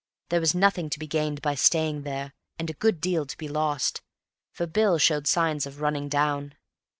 There was nothing to be gained by staying there, and a good deal to be lost, for Bill showed signs of running down.